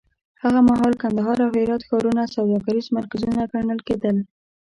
هغه مهال کندهار او هرات ښارونه سوداګریز مرکزونه ګڼل کېدل.